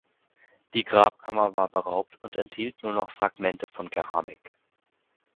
Die Grabkammer war beraubt und enthielt nur noch Fragmente von Keramik.